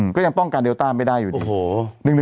ก็ยังป้องกันเลต้าไม่ได้อยู่ดี